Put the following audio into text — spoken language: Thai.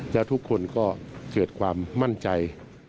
และทุกคนก็เกิดความมั่นใจ